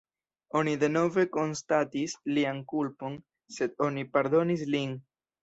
Oni denove konstatis lian kulpon, sed oni pardonis lin.